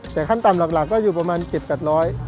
แต่ขั้นต่ำหลักก็อยู่ประมาณ๗๘๐๐บาท